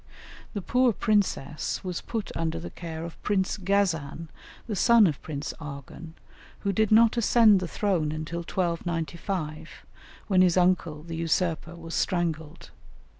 The poor princess was put under the care of Prince Ghazan, the son of Prince Arghun, who did not ascend the throne until 1295, when his uncle, the usurper, was strangled.